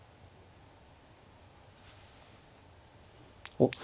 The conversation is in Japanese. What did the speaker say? おっ。